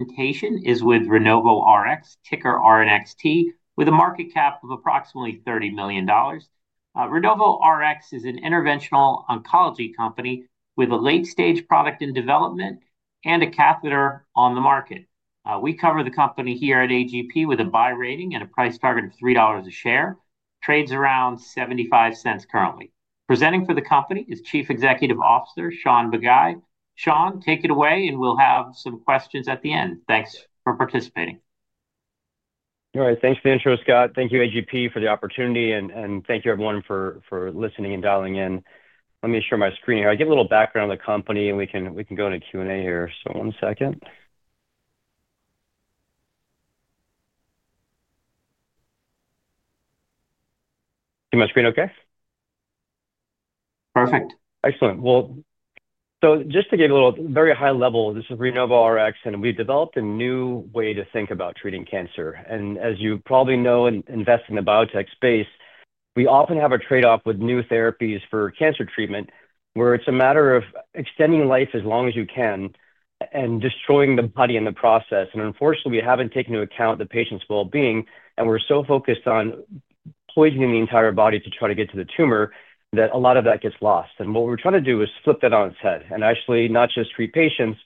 Presentation is with RenovoRx ticker RNXT, with a market cap of approximately $30 million. RenovoRx is an interventional oncology company with a late-stage product in development and a catheter on the market. We cover the company here at AGP with a buy rating and a price target of $3 a share. Trades around $0.75 currently. Presenting for the company is Chief Executive Officer Shaun Bagai. Shaun, take it away, and we'll have some questions at the end. Thanks for participating. All right. Thanks for the intro, Scott. Thank you, AGP, for the opportunity, and thank you, everyone, for listening and dialing in. Let me share my screen here. I get a little background on the company, and we can go into Q&A here. One second. See my screen okay? Perfect. Excellent. Just to give you a little very high level, this is RenovoRx, and we've developed a new way to think about treating cancer. As you probably know, investing in the biotech space, we often have a trade-off with new therapies for cancer treatment, where it's a matter of extending life as long as you can and destroying the body in the process. Unfortunately, we haven't taken into account the patient's well-being, and we're so focused on poisoning the entire body to try to get to the tumor that a lot of that gets lost. What we're trying to do is flip that on its head and actually not just treat patients,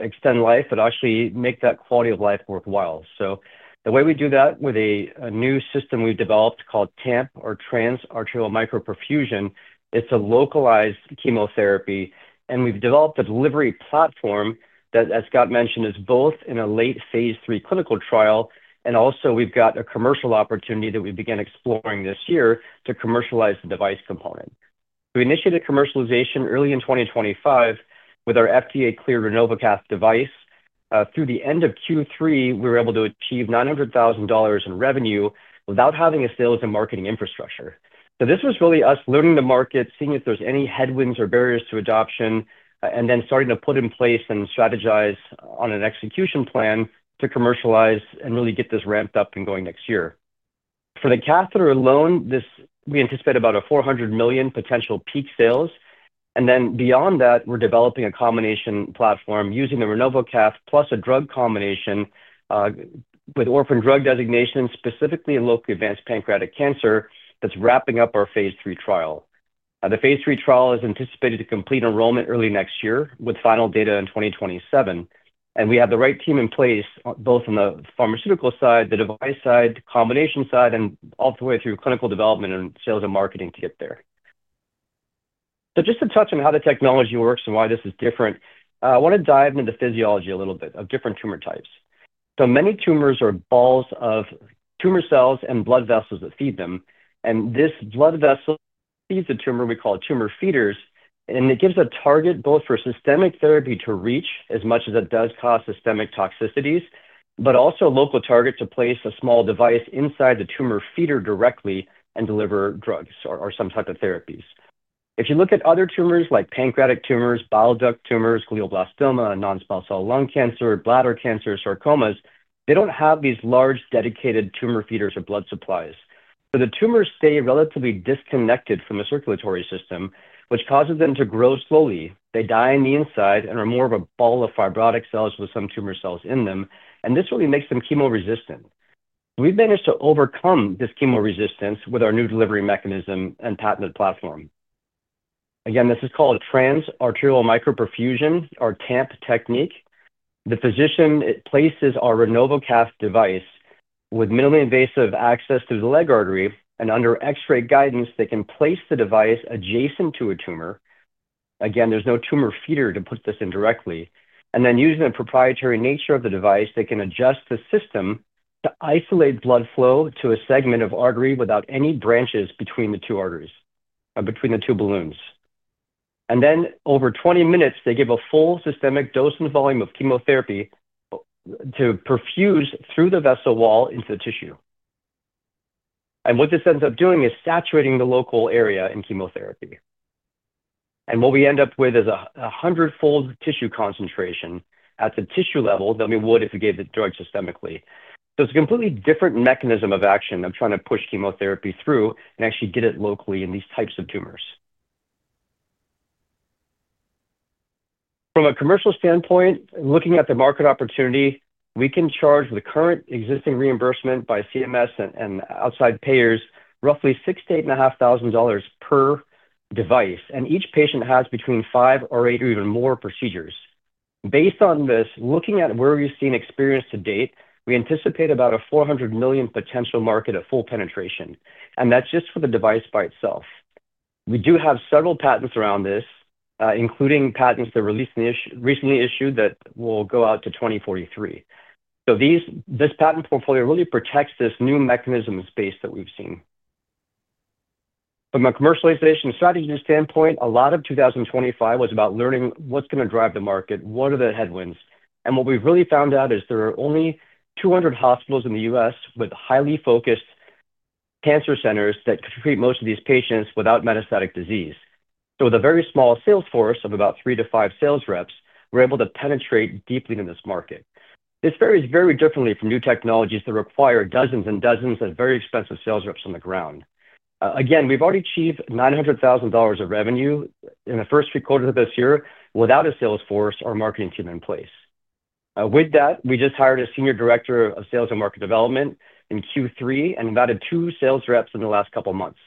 extend life, but actually make that quality of life worthwhile. The way we do that with a new system we've developed called TAMP, or Trans-Arterial Micro-Perfusion, it's a localized chemotherapy. We have developed a delivery platform that, as Scott mentioned, is both in a late phase III clinical trial, and also we have a commercial opportunity that we began exploring this year to commercialize the device component. We initiated commercialization early in 2025 with our FDA-cleared RenovoCath device. Through the end of Q3, we were able to achieve $900,000 in revenue without having a sales and marketing infrastructure. This was really us learning the market, seeing if there are any headwinds or barriers to adoption, and then starting to put in place and strategize on an execution plan to commercialize and really get this ramped up and going next year. For the catheter alone, we anticipate about a $400 million potential peak sales. Then beyond that, we're developing a combination platform using the RenovoCath plus a drug combination with orphan drug designation, specifically in locally advanced pancreatic cancer that's wrapping up our phase III trial. The phase III trial is anticipated to complete enrollment early next year with final data in 2027. We have the right team in place, both on the pharmaceutical side, the device side, combination side, and all the way through clinical development and sales and marketing to get there. Just to touch on how the technology works and why this is different, I want to dive into the physiology a little bit of different tumor types. Many tumors are balls of tumor cells and blood vessels that feed them. This blood vessel feeds the tumor. We call it tumor feeders, and it gives a target both for systemic therapy to reach as much as it does cause systemic toxicities, but also a local target to place a small device inside the tumor feeder directly and deliver drugs or some type of therapies. If you look at other tumors like pancreatic tumors, bile duct tumors, glioblastoma, non-small cell lung cancer, bladder cancer, sarcomas, they don't have these large dedicated tumor feeders or blood supplies. The tumors stay relatively disconnected from the circulatory system, which causes them to grow slowly. They die on the inside and are more of a ball of fibrotic cells with some tumor cells in them. This really makes them chemo resistant. We've managed to overcome this chemo resistance with our new delivery mechanism and patented platform. Again, this is called a Trans-Arterial Micro Perfusion or TAMP technique. The physician places our RenovoCath device with minimally invasive access to the leg artery, and under X-ray guidance, they can place the device adjacent to a tumor. Again, there's no tumor feeder to put this in directly. Using the proprietary nature of the device, they can adjust the system to isolate blood flow to a segment of artery without any branches between the two arteries or between the two balloons. Over 20 minutes, they give a full systemic dose and volume of chemotherapy to perfuse through the vessel wall into the tissue. What this ends up doing is saturating the local area in chemotherapy. What we end up with is a hundred-fold tissue concentration at the tissue level than we would if we gave the drug systemically. It's a completely different mechanism of action of trying to push chemotherapy through and actually get it locally in these types of tumors. From a commercial standpoint, looking at the market opportunity, we can charge the current existing reimbursement by CMS and outside payers roughly $6,000-$8,500 per device. Each patient has between five or eight or even more procedures. Based on this, looking at where we've seen experience to date, we anticipate about a $400 million potential market of full penetration. That's just for the device by itself. We do have several patents around this, including patents that were recently issued that will go out to 2043. This patent portfolio really protects this new mechanism space that we've seen. From a commercialization strategy standpoint, a lot of 2025 was about learning what's going to drive the market, what are the headwinds. What we've really found out is there are only 200 hospitals in the U.S. with highly focused cancer centers that could treat most of these patients without metastatic disease. With a very small sales force of about three to five sales reps, we're able to penetrate deeply into this market. This varies very differently from new technologies that require dozens and dozens of very expensive sales reps on the ground. Again, we've already achieved $900,000 of revenue in the first three quarters of this year without a sales force or marketing team in place. With that, we just hired a senior director of Sales and Market Development in Q3 and invited two sales reps in the last couple of months.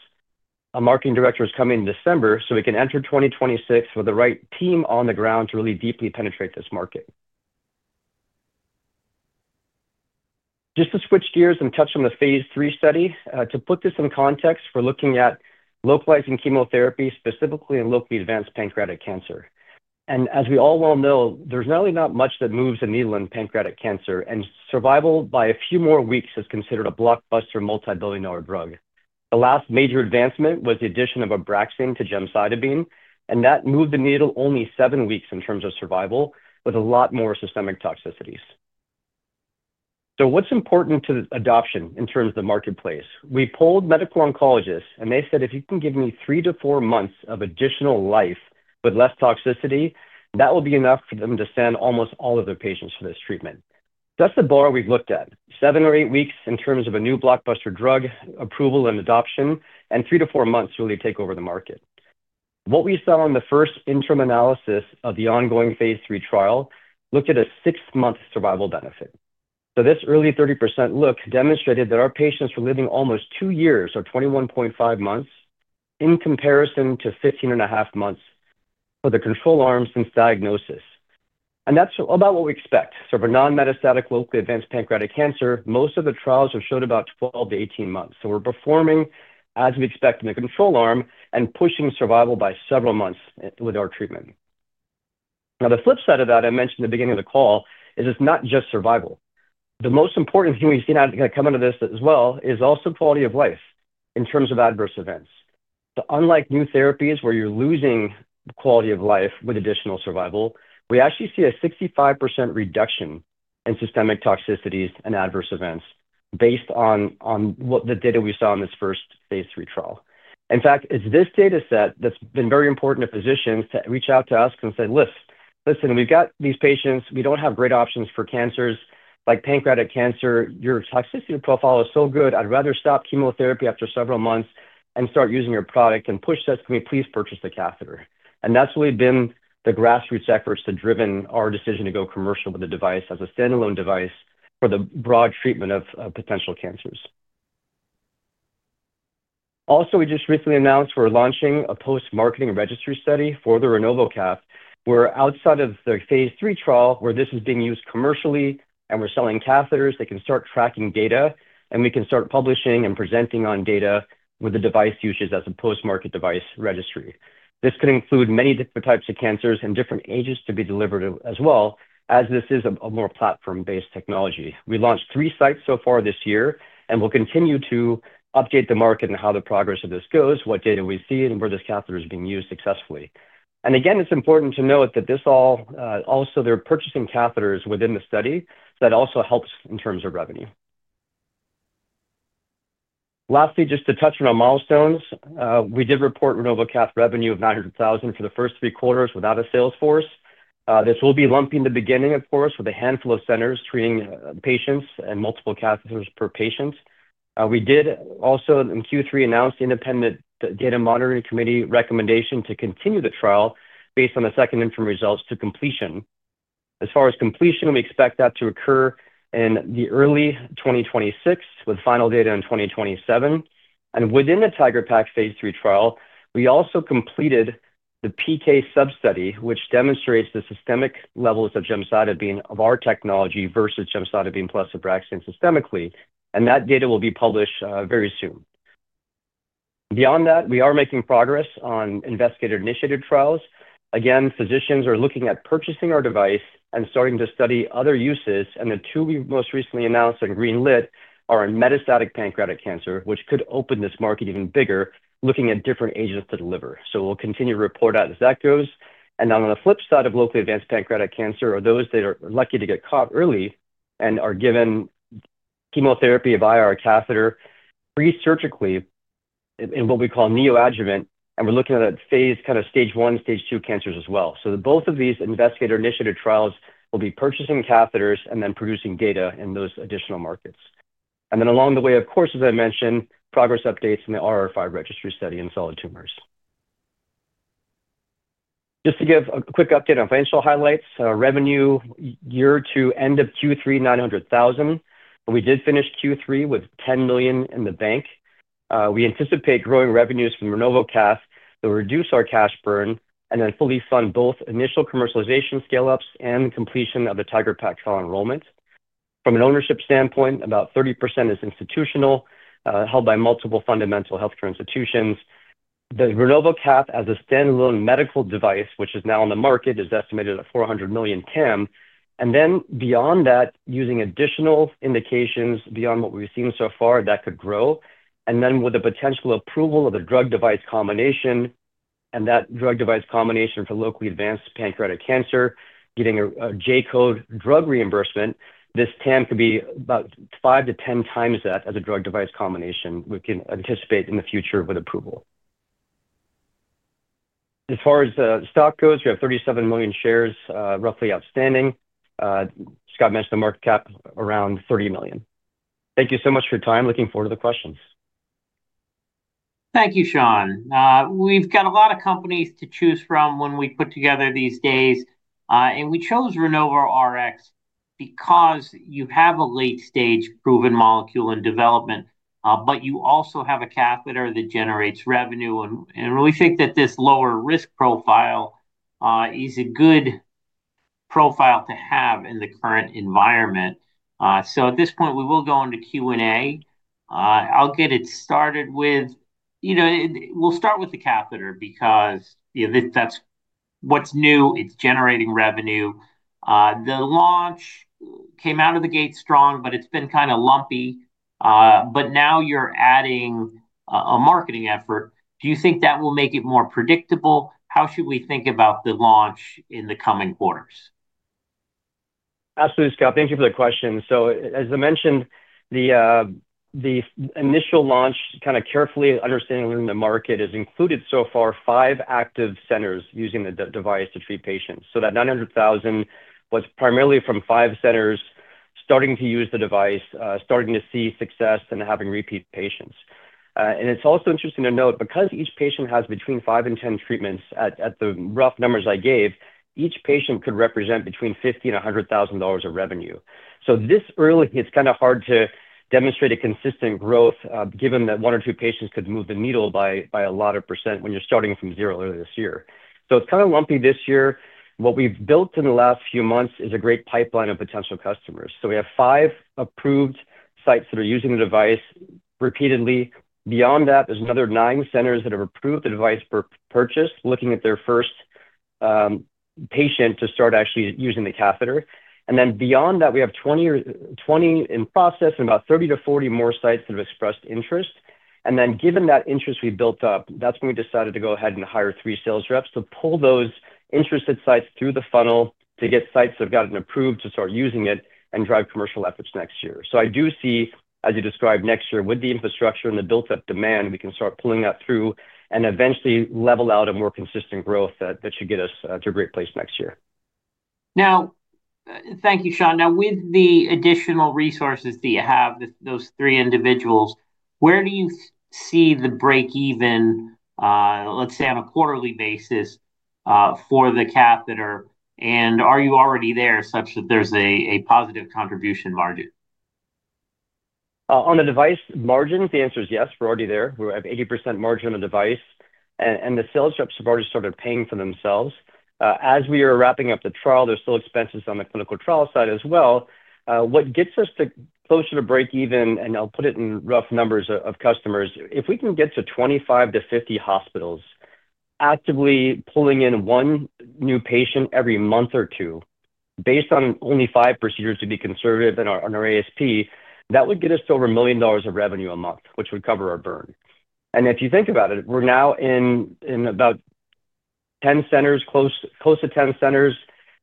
A marketing director is coming in December, so we can enter 2026 with the right team on the ground to really deeply penetrate this market. Just to switch gears and touch on the phase III study, to put this in context, we're looking at localizing chemotherapy specifically in locally advanced pancreatic cancer. And as we all well know, there's really not much that moves the needle in pancreatic cancer, and survival by a few more weeks is considered a blockbuster multibillion-dollar drug. The last major advancement was the addition of Abraxane to gemcitabine, and that moved the needle only seven weeks in terms of survival with a lot more systemic toxicities. What's important to adoption in terms of the marketplace? We polled medical oncologists, and they said, "If you can give me 3-4 months of additional life with less toxicity, that will be enough for them to send almost all of their patients for this treatment." That's the bar we've looked at: seven or eight weeks in terms of a new blockbuster drug approval and adoption, and 3-4 months really take over the market. What we saw in the first interim analysis of the ongoing phase III trial looked at a six-month survival benefit. This early 30% look demonstrated that our patients were living almost two years or 21.5 months in comparison to 15 and a half months for the control arm since diagnosis. That's about what we expect. For non-metastatic locally advanced pancreatic cancer, most of the trials have showed about 12-18 months. We're performing as we expect in the control arm and pushing survival by several months with our treatment. Now, the flip side of that I mentioned at the beginning of the call is it's not just survival. The most important thing we've seen as we come into this as well is also quality of life in terms of adverse events. Unlike new therapies where you're losing quality of life with additional survival, we actually see a 65% reduction in systemic toxicities and adverse events based on what the data we saw in this first phase III trial. In fact, it's this data set that's been very important to physicians to reach out to us and say, "Listen, we've got these patients. We don't have great options for cancers like pancreatic cancer. Your toxicity profile is so good. I'd rather stop chemotherapy after several months and start using your product and push this. Can we please purchase the catheter? That has really been the grassroots efforts that have driven our decision to go commercial with the device as a standalone device for the broad treatment of potential cancers. Also, we just recently announced we're launching a post-marketing registry study for the RenovoCath, where outside of the phase III trial, where this is being used commercially and we're selling catheters, they can start tracking data, and we can start publishing and presenting on data with the device uses as a post-market device registry. This could include many different types of cancers and different ages to be delivered as well, as this is a more platform-based technology. We launched three sites so far this year, and we'll continue to update the market and how the progress of this goes, what data we see, and where this catheter is being used successfully. It is important to note that they are also purchasing catheters within the study. That also helps in terms of revenue. Lastly, just to touch on our milestones, we did report RenovoCath revenue of $900,000 for the first three quarters without a sales force. This will be lumped in the beginning, of course, with a handful of centers treating patients and multiple catheters per patient. We did also in Q3 announce the Independent Data Monitoring Committee recommendation to continue the trial based on the second-informed results to completion. As far as completion, we expect that to occur in early 2026 with final data in 2027. Within the TIGeR-PaC phase III trial, we also completed the PK sub-study, which demonstrates the systemic levels of gemcitabine of our technology versus gemcitabine plus Abraxane systemically. That data will be published very soon. Beyond that, we are making progress on investigator-initiated trials. Again, physicians are looking at purchasing our device and starting to study other uses. The two we most recently announced and greenlit are in metastatic pancreatic cancer, which could open this market even bigger, looking at different agents to deliver. We will continue to report out as that goes. On the flip side of locally advanced pancreatic cancer are those that are lucky to get caught early and are given chemotherapy via our catheter presurgically in what we call neoadjuvant. We are looking at phase kind of stage one, stage two cancers as well. Both of these investigator-initiated trials will be purchasing catheters and then producing data in those additional markets. Along the way, of course, as I mentioned, progress updates in the RR5 registry study in solid tumors. Just to give a quick update on financial highlights, revenue year to end of Q3, $900,000. We did finish Q3 with $10 million in the bank. We anticipate growing revenues from RenovoCath to reduce our cash burn and then fully fund both initial commercialization scale-ups and completion of the TIGeR-PaC trial enrollment. From an ownership standpoint, about 30% is institutional, held by multiple fundamental healthcare institutions. The RenovoCath as a standalone medical device, which is now on the market, is estimated at $400 million TAM. Beyond that, using additional indications beyond what we've seen so far, that could grow. With the potential approval of a drug-device combination and that drug-device combination for locally advanced pancreatic cancer, getting a J-code drug reimbursement, this TAM could be about five to ten times that as a drug-device combination, which we can anticipate in the future with approval. As far as stock goes, we have 37 million shares, roughly outstanding. Scott mentioned the market cap around $30 million. Thank you so much for your time. Looking forward to the questions. Thank you, Shaun. We've got a lot of companies to choose from when we put together these days. We chose RenovoRx because you have a late-stage proven molecule in development, but you also have a catheter that generates revenue. We think that this lower risk profile is a good profile to have in the current environment. At this point, we will go into Q&A. I'll get it started with, we'll start with the catheter because that's what's new. It's generating revenue. The launch came out of the gate strong, but it's been kind of lumpy. Now you're adding a marketing effort. Do you think that will make it more predictable? How should we think about the launch in the coming quarters? Absolutely, Scott. Thank you for the question. As I mentioned, the initial launch kind of carefully understanding the market has included so far five active centers using the device to treat patients. That $900,000 was primarily from five centers starting to use the device, starting to see success, and having repeat patients. It's also interesting to note because each patient has between five and ten treatments at the rough numbers I gave, each patient could represent between $50,000 and $100,000 of revenue. This early, it's kind of hard to demonstrate a consistent growth given that one or two patients could move the needle by a lot of percent when you're starting from zero early this year. It's kind of lumpy this year. What we've built in the last few months is a great pipeline of potential customers. We have five approved sites that are using the device repeatedly. Beyond that, there are another nine centers that have approved the device for purchase, looking at their first patient to start actually using the catheter. Beyond that, we have 20 in process and about 30-40 more sites that have expressed interest. Given that interest we built up, that's when we decided to go ahead and hire three sales reps to pull those interested sites through the funnel to get sites that have gotten approved to start using it and drive commercial efforts next year. I do see, as you described, next year with the infrastructure and the built-up demand, we can start pulling that through and eventually level out a more consistent growth that should get us to a great place next year. Thank you, Shaun. Now, with the additional resources that you have, those three individuals, where do you see the break-even, let's say on a quarterly basis, for the catheter? Are you already there such that there's a positive contribution margin? On the device margins, the answer is yes. We're already there. We have 80% margin on the device. And the sales reps have already started paying for themselves. As we are wrapping up the trial, there's still expenses on the clinical trial side as well. What gets us closer to break-even, and I'll put it in rough numbers of customers, if we can get to 25-50 hospitals actively pulling in one new patient every month or two based on only five procedures to be conservative on our ASP, that would get us to over $1 million of revenue a month, which would cover our burn. If you think about it, we're now in about 10 centers, close to 10 centers,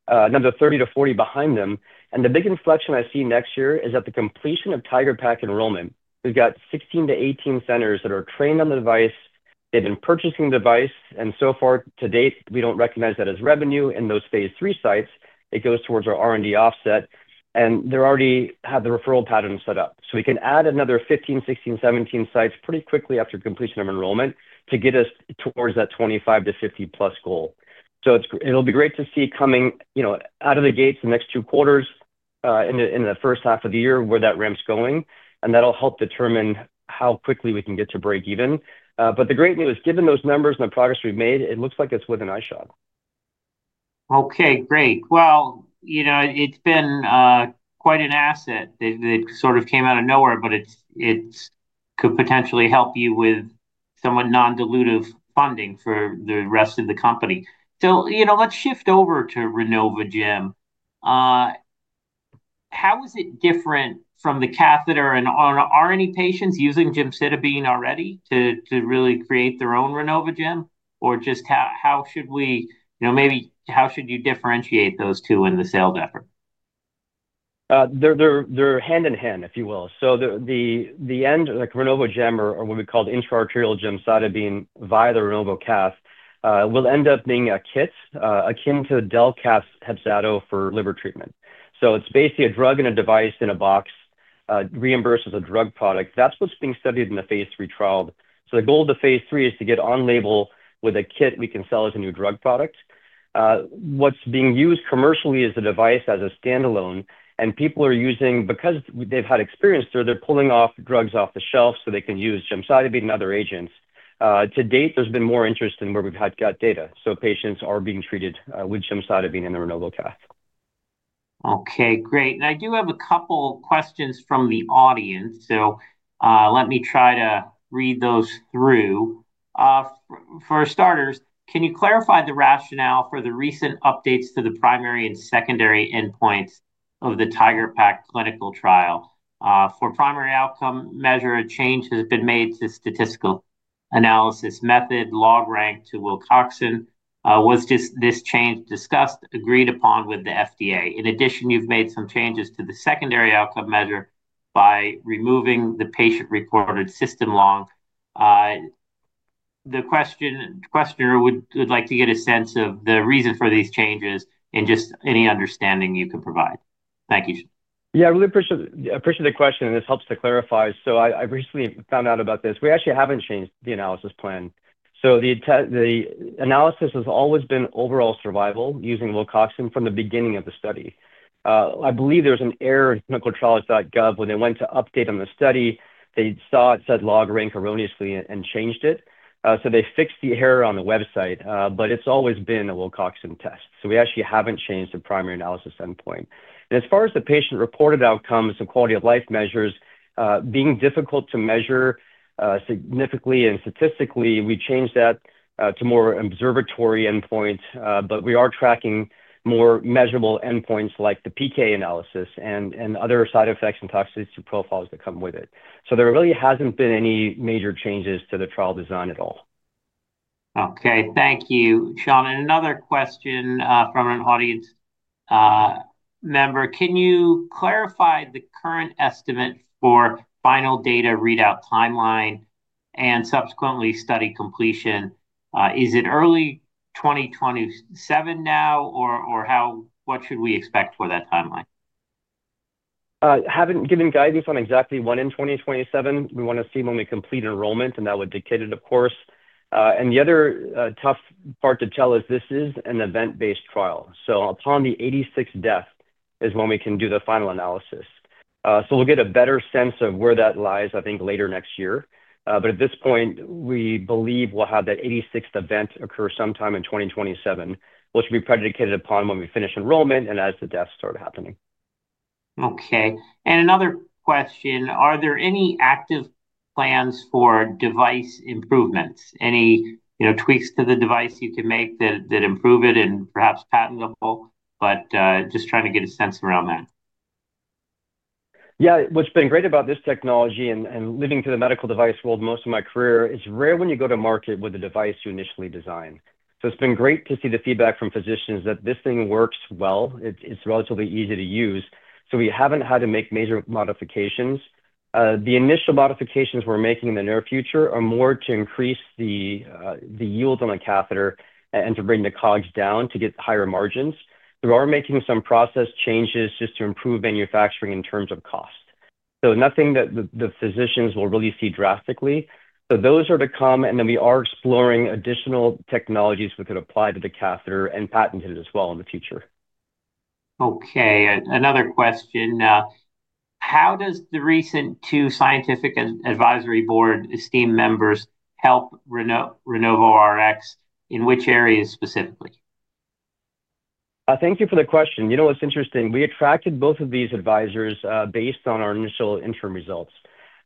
another 30-40 behind them. The big inflection I see next year is at the completion of TIGeR-PaC enrollment. We've got 16-18 centers that are trained on the device. They've been purchasing the device. So far to date, we don't recognize that as revenue in those phase III sites. It goes towards our R&D offset. They already have the referral pattern set up. We can add another 15, 16, 17 sites pretty quickly after completion of enrollment to get us towards that 25-50+ goal. It'll be great to see coming out of the gates the next two quarters in the first half of the year where that ramp's going. That'll help determine how quickly we can get to break-even. The great news is given those numbers and the progress we've made, it looks like it's within eyeshot. Okay, great. It's been quite an asset. It sort of came out of nowhere, but it could potentially help you with somewhat non-dilutive funding for the rest of the company. Let's shift over to RenovoGem. How is it different from the catheter? Are any patients using gemcitabine already to really create their own RenovoGem? Or just how should we, maybe how should you differentiate those two in the sales effort? They're hand in hand, if you will. The end RenovoGem or what we call the intra-arterial gemcitabine via the RenovoCath will end up being a kit akin to DelCath Hepzato for liver treatment. It's basically a drug and a device in a box reimbursed as a drug product. That's what's being studied in the phase III trial. The goal of the phase III is to get on label with a kit we can sell as a new drug product. What's being used commercially is the device as a standalone. People are using because they've had experience there, they're pulling off drugs off the shelf so they can use gemcitabine and other agents. To date, there's been more interest in where we've had gut data. Patients are being treated with gemcitabine and the RenovoCath. Okay, great. I do have a couple of questions from the audience. Let me try to read those through. For starters, can you clarify the rationale for the recent updates to the primary and secondary endpoints of the TIGeR-PaC clinical trial? For primary outcome measure, a change has been made to statistical analysis method, log rank to Wilcoxon. Was this change discussed, agreed upon with the FDA? In addition, you've made some changes to the secondary outcome measure by removing the patient-reported system log. The questioner would like to get a sense of the reason for these changes and just any understanding you can provide. Thank you. Yeah, I really appreciate the question. This helps to clarify. I recently found out about this. We actually haven't changed the analysis plan. The analysis has always been overall survival using Wilcoxon from the beginning of the study. I believe there was an error in clinicaltrials.gov. When they went to update on the study, they saw it said log rank erroneously and changed it. They fixed the error on the website, but it's always been a Wilcoxon test. We actually haven't changed the primary analysis endpoint. As far as the patient-reported outcomes and quality of life measures being difficult to measure significantly and statistically, we changed that to more observatory endpoints. We are tracking more measurable endpoints like the PK analysis and other side effects and toxicity profiles that come with it. There really hasn't been any major changes to the trial design at all. Okay, thank you, Shaun. Another question from an audience member. Can you clarify the current estimate for final data readout timeline and subsequently study completion? Is it early 2027 now, or what should we expect for that timeline? Haven't given guidance on exactly when in 2027. We want to see when we complete enrollment, and that would dictate it, of course. The other tough part to tell is this is an event-based trial. Upon the 86th death is when we can do the final analysis. We'll get a better sense of where that lies, I think, later next year. At this point, we believe we'll have that 86th event occur sometime in 2027, which will be predicated upon when we finish enrollment and as the deaths start happening. Okay. Another question. Are there any active plans for device improvements? Any tweaks to the device you can make that improve it and perhaps patentable? Just trying to get a sense around that. Yeah, what's been great about this technology and living through the medical device world most of my career is it's rare when you go to market with a device you initially design. It's been great to see the feedback from physicians that this thing works well. It's relatively easy to use. We haven't had to make major modifications. The initial modifications we're making in the near future are more to increase the yield on the catheter and to bring the costs down to get higher margins. We are making some process changes just to improve manufacturing in terms of cost. Nothing that the physicians will really see drastically. Those are to come. We are exploring additional technologies we could apply to the catheter and patent it as well in the future. Okay. Another question. How does the recent two scientific advisory board esteemed members help RenovoRx in which areas specifically? Thank you for the question. You know what's interesting? We attracted both of these advisors based on our initial interim results.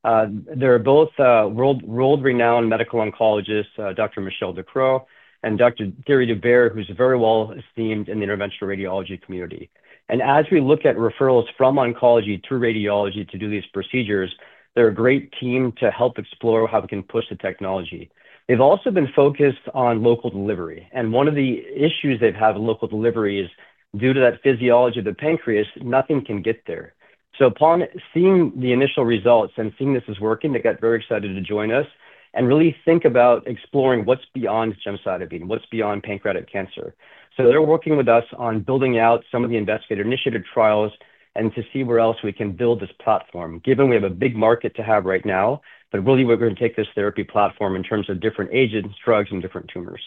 They're both world-renowned medical oncologists, Dr. Michelle Ducreux and Dr. Gary de Baere, who's very well esteemed in the interventional radiology community. As we look at referrals from oncology to radiology to do these procedures, they're a great team to help explore how we can push the technology. They've also been focused on local delivery. One of the issues they've had with local delivery is due to that physiology of the pancreas, nothing can get there. Upon seeing the initial results and seeing this is working, they got very excited to join us and really think about exploring what's beyond gemcitabine, what's beyond pancreatic cancer. They're working with us on building out some of the investigator-initiated trials and to see where else we can build this platform, given we have a big market to have right now, but really we're going to take this therapy platform in terms of different agents, drugs, and different tumors.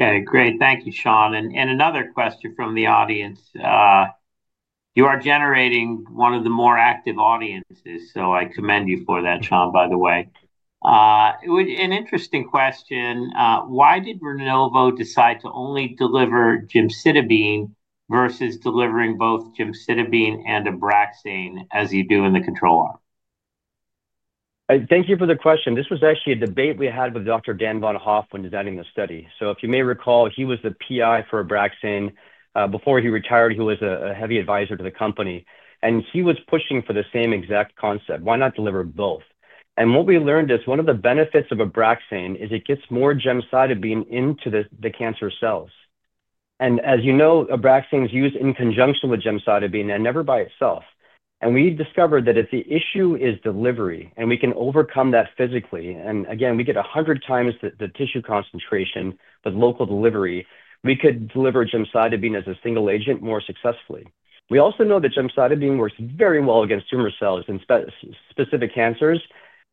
Okay, great. Thank you, Shaun. Another question from the audience. You are generating one of the more active audiences. I commend you for that, Shaun, by the way. An interesting question. Why did Renovo decide to only deliver gemcitabine versus delivering both gemcitabine and Abraxane as you do in the control arm? Thank you for the question. This was actually a debate we had with Dr. Dan Von Hoff when designing the study. If you may recall, he was the PI for Abraxane. Before he retired, he was a heavy advisor to the company. He was pushing for the same exact concept. Why not deliver both? What we learned is one of the benefits of Abraxane is it gets more gemcitabine into the cancer cells. As you know, Abraxane is used in conjunction with gemcitabine and never by itself. We discovered that if the issue is delivery and we can overcome that physically, and again, we get 100 times the tissue concentration with local delivery, we could deliver gemcitabine as a single agent more successfully. We also know that gemcitabine works very well against tumor cells in specific cancers.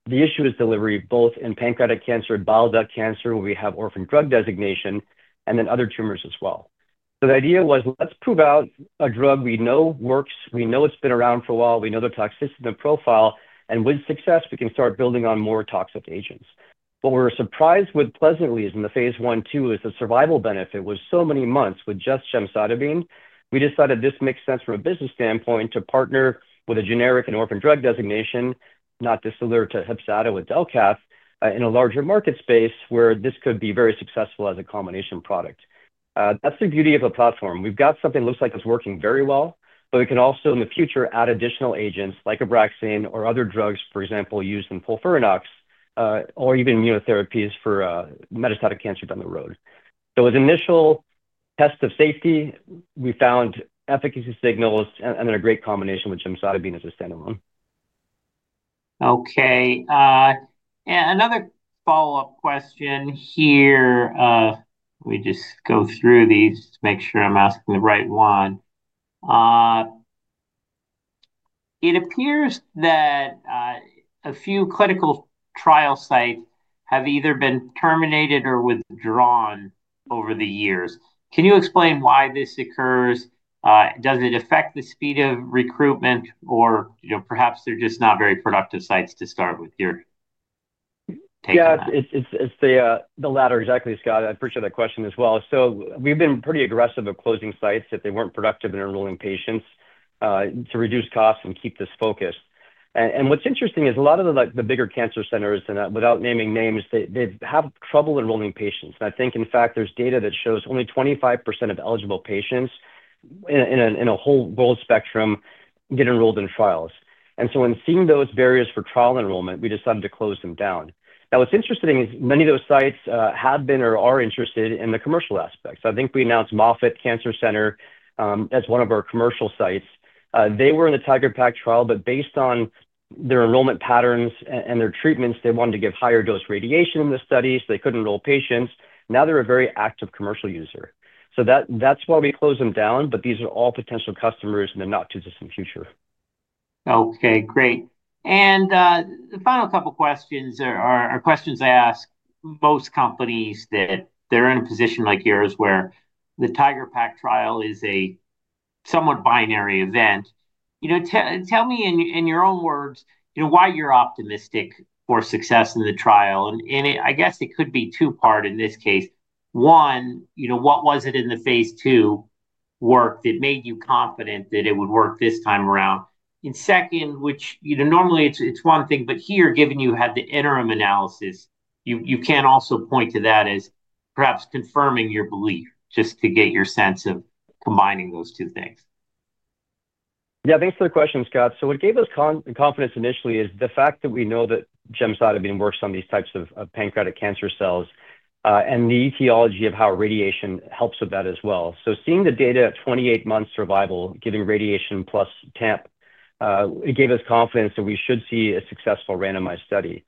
The issue is delivery both in pancreatic cancer and bile duct cancer where we have orphan drug designation and then other tumors as well. The idea was, let's prove out a drug we know works. We know it's been around for a while. We know the toxicity of the profile. With success, we can start building on more toxic agents. What we were surprised with pleasantly is in the phase I and II is the survival benefit was so many months with just gemcitabine, we decided this makes sense from a business standpoint to partner with a generic and orphan drug designation, not just deliver to Hepzato with DelCath in a larger market space where this could be very successful as a combination product. That's the beauty of a platform. We've got something that looks like it's working very well, but we can also in the future add additional agents like Abraxane or other drugs, for example, used in FOLFIRINOX or even immunotherapies for metastatic cancer down the road. With initial test of safety, we found efficacy signals and then a great combination with gemcitabine as a standalone. Okay. Another follow-up question here. Let me just go through these to make sure I'm asking the right one. It appears that a few clinical trial sites have either been terminated or withdrawn over the years. Can you explain why this occurs? Does it affect the speed of recruitment or perhaps they're just not very productive sites to start with your take on that? Yeah, it's the latter. Exactly, Scott. I appreciate that question as well. We've been pretty aggressive at closing sites if they weren't productive in enrolling patients to reduce costs and keep this focused. What's interesting is a lot of the bigger cancer centers, and without naming names, they have trouble enrolling patients. I think, in fact, there's data that shows only 25% of eligible patients in a whole world spectrum get enrolled in trials. In seeing those barriers for trial enrollment, we decided to close them down. What's interesting is many of those sites have been or are interested in the commercial aspects. I think we announced Moffitt Cancer Center as one of our commercial sites. They were in the TIGeR-PaC trial, but based on their enrollment patterns and their treatments, they wanted to give higher dose radiation in the study, so they couldn't enroll patients. Now they're a very active commercial user. That's why we closed them down, but these are all potential customers in the not-too-distant future. Okay, great. The final couple of questions are questions I ask most companies that are in a position like yours where the TIGeR-PaC trial is a somewhat binary event. Tell me in your own words why you're optimistic for success in the trial. I guess it could be two-part in this case. One, what was it in the phase II work that made you confident that it would work this time around? Second, which normally it's one thing, but here, given you had the interim analysis, you can also point to that as perhaps confirming your belief just to get your sense of combining those two things. Yeah, based on the question, Scott, what gave us confidence initially is the fact that we know that gemcitabine works on these types of pancreatic cancer cells and the etiology of how radiation helps with that as well. Seeing the data at 28 months survival giving radiation plus TAMP, it gave us confidence that we should see a successful randomized study.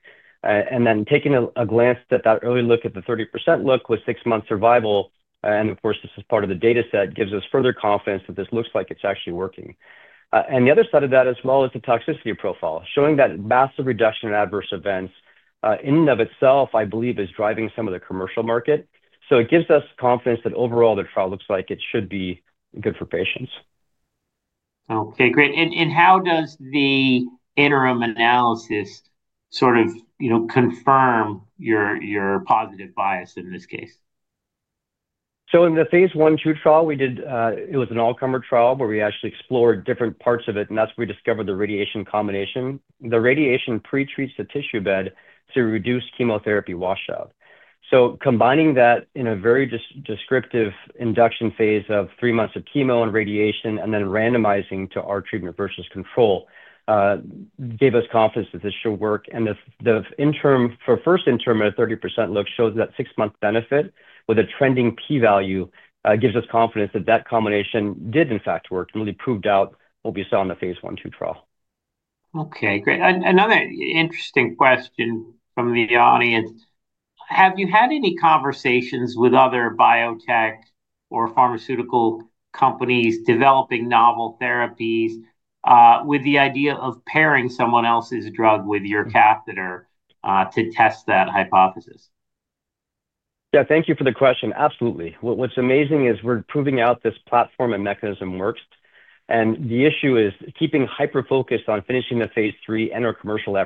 Taking a glance at that early look at the 30% look with six months survival, and of course, this is part of the dataset, gives us further confidence that this looks like it's actually working. The other side of that as well is the toxicity profile showing that massive reduction in adverse events in and of itself, I believe, is driving some of the commercial market. It gives us confidence that overall the trial looks like it should be good for patients. Okay, great. How does the interim analysis sort of confirm your positive bias in this case? In the phase I and II trial, we did it was an all-comer trial where we actually explored different parts of it, and that's where we discovered the radiation combination. The radiation pre-treats the tissue bed to reduce chemotherapy washout. Combining that in a very descriptive induction phase of three months of chemo and radiation and then randomizing to our treatment versus control gave us confidence that this should work. The first interim at a 30% look shows that six-month benefit with a trending P-value gives us confidence that that combination did, in fact, work and really proved out what we saw in the phase I and II trial. Okay, great. Another interesting question from the audience. Have you had any conversations with other biotech or pharmaceutical companies developing novel therapies with the idea of pairing someone else's drug with your catheter to test that hypothesis? Yeah, thank you for the question. Absolutely. What's amazing is we're proving out this platform and mechanism works. The issue is keeping hyper-focused on finishing the phase III and our commercial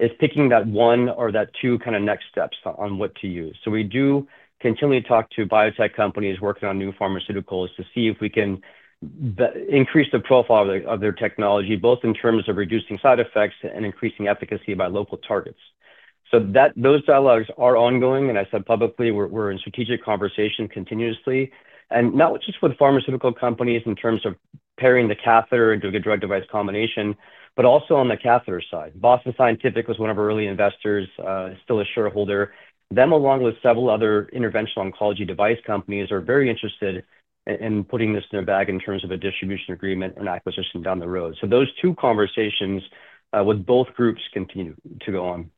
efforts is picking that one or that two kind of next steps on what to use. We do continually talk to biotech companies working on new pharmaceuticals to see if we can increase the profile of their technology, both in terms of reducing side effects and increasing efficacy by local targets. Those dialogues are ongoing. I said publicly, we're in strategic conversation continuously, and not just with pharmaceutical companies in terms of pairing the catheter into a good drug device combination, but also on the catheter side. Boston Scientific was one of our early investors, still a shareholder. Them, along with several other interventional oncology device companies, are very interested in putting this in their bag in terms of a distribution agreement and acquisition down the road. Those two conversations with both groups continue to go on.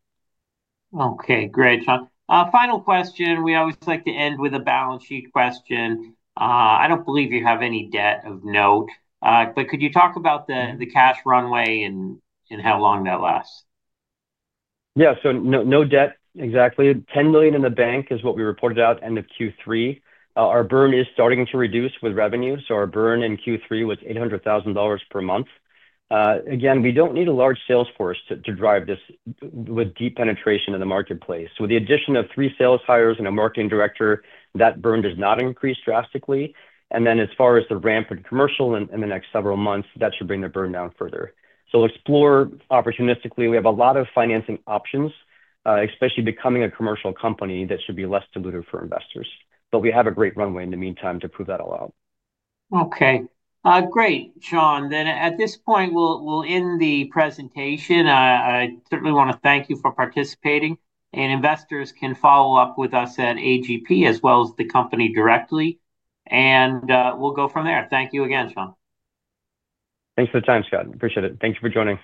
Okay, great, Shaun. Final question. We always like to end with a balance sheet question. I don't believe you have any debt of note, but could you talk about the cash runway and how long that lasts? Yeah, so no debt exactly $10 million in the bank is what we reported out end of Q3. Our burn is starting to reduce with revenue. So our burn in Q3 was $800,000 per month. Again, we do not need a large sales force to drive this with deep penetration in the marketplace. With the addition of three sales hires and a marketing director, that burn does not increase drastically. As far as the ramp in commercial in the next several months, that should bring the burn down further. We will explore opportunistically. We have a lot of financing options, especially becoming a commercial company that should be less diluted for investors. We have a great runway in the meantime to prove that all out. Okay, great, Shaun. At this point, we'll end the presentation. I certainly want to thank you for participating. Investors can follow up with us at AGP as well as the company directly. We'll go from there. Thank you again, Shaun. Thanks for the time, Scott. Appreciate it. Thank you for joining.